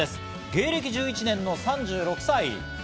芸歴１１年の３６歳。